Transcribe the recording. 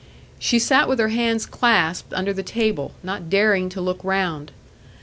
She sat with her hands clasped under the table, not daring to look round.